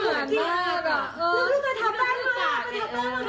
ลูกมันทำแบบแบบ